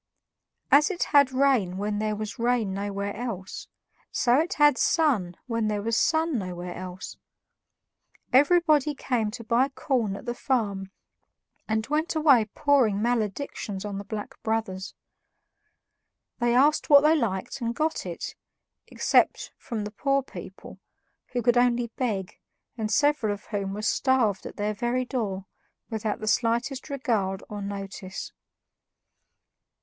As it had rain when there was rain nowhere else, so it had sun when there was sun nowhere else. Everybody came to buy corn at the farm and went away pouring maledictions on the Black Brothers. They asked what they liked and got it, except from the poor people, who could only beg, and several of whom were starved at their very door without the slightest regard or notice.